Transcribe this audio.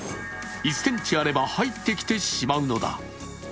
１ｃｍあれば入ってきてしまうのだ。